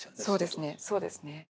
そうですねそうですね。